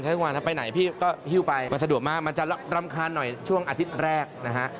กลางวันถ้าไปไหนพี่ก็ฮิ้วไปมันสะดวกมากมันจะรำคาญหน่อยช่วงอาทิตย์แรกนะฮะ